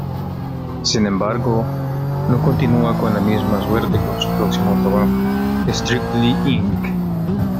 Sin embargo, no continúa con la misma suerte con su próximo trabajo, "Strictly Inc.